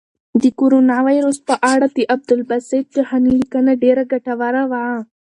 د کرونا وېروس په اړه د عبدالباسط جهاني لیکنه ډېره ګټوره وه.